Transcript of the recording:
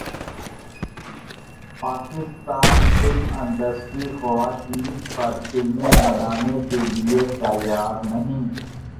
Pakistan film industry خواتین پر فلمیں بنانے کیلئے تیار نہیں